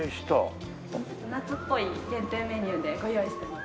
ちょっと夏っぽい限定メニューでご用意しています。